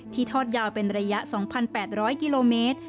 ทอดยาวเป็นระยะ๒๘๐๐กิโลเมตร